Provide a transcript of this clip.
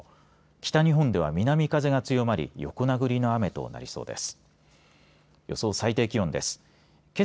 北日本では南風が強まり横殴りの雨となりそうです。